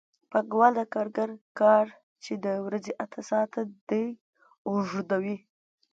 پانګوال د کارګر کار چې د ورځې اته ساعته دی اوږدوي